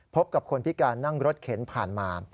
พบกับคนพิการนั่งรถเข็นผ่านมา